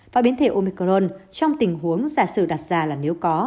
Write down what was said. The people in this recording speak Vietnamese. và biến thể omicron trong tình huống giả sử đặt ra là nếu có